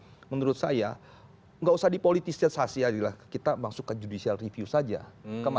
dan yang kedua menurut saya ngga usah dipolitiskasi ah kita masuk ke judicial review saja ke mahkamah agung tejas